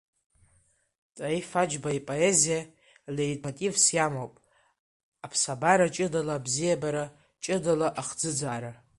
Таиф Аџьба ипоезиа леитмотивс иамоуп аԥсабара ҷыдала абзиабара, ҷыдала ахӡыӡаара.